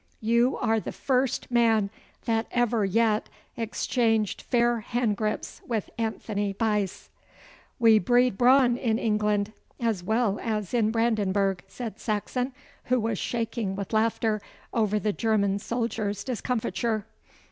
You are the first man that ever yet exchanged fair hand grips with Anthony Buyse.' 'We breed brawn in England as well as in Brandenburg,' said Saxon, who was shaking with laughter over the German soldier's discomfiture.